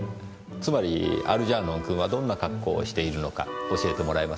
つまりアルジャーノン君はどんな格好をしているのか教えてもらえますか？